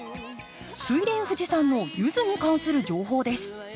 スイレンフジさんのユズに関する情報です。